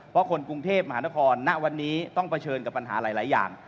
เพราะคนกรุงเทพมหานครณวันนี้ต้องเผชิญกับปัญหาหลายอย่าง